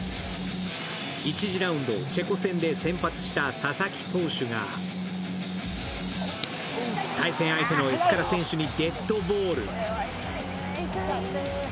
１次ラウンド、チェコ戦で先発した佐々木投手が対戦相手のエスカラ選手にデッドボール。